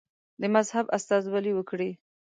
د مذهب استازولي وکړي.